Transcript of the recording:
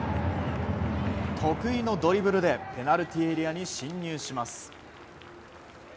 得意のドリブルでペナルティーエリアに進入します。